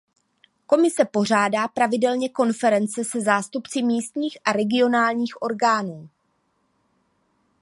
Komise pořádá pravidelně konference se zástupci místních a regionálních orgánů.